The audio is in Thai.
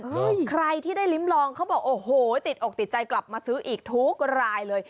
ใครที่ได้ลิ้มลองเขาบอกโอ้โหติดอกติดใจกลับมาซื้ออีกทุกรายเลย